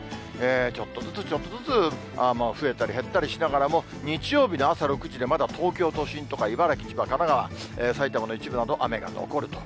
ちょっとずつちょっとずつ、増えたり、減ったりしながらも、日曜日の朝６時で、まだ東京都心とか茨城、千葉、神奈川、埼玉の一部など、雨が残ると。